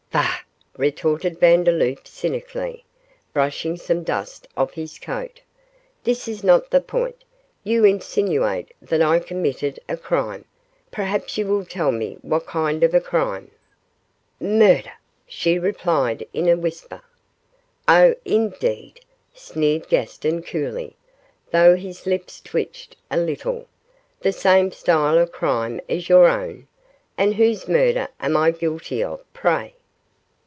'Bah!' retorted Vandeloup, cynically, brushing some dust off his coat, 'this is not the point; you insinuate that I committed a crime, perhaps you will tell me what kind of a crime?' 'Murder,' she replied, in a whisper. 'Oh, indeed,' sneered Gaston, coolly, though his lips twitched a little, 'the same style of crime as your own? and whose murder am I guilty of, pray?